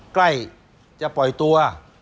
ใกล้จะปล่อยตัว